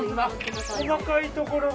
細かいところが。